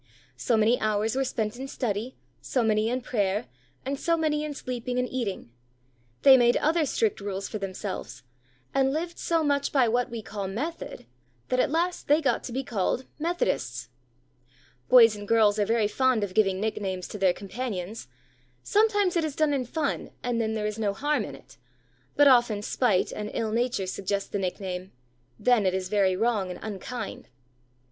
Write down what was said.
So many hours were spent in study, so many in prayer, and so many in sleeping and eating. They made other strict rules for themselves, and lived so much by what we call "method," that at last they got to be called "Methodists." Boys and girls are very fond of giving nicknames to their companions; sometimes it is done in fun, and then there is no harm in it, but often spite and ill nature suggest the nickname, then it is very wrong and very unkind.